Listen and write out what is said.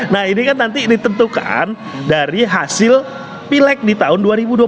nah ini kan nanti ditentukan dari hasil pileg di tahun dua ribu dua puluh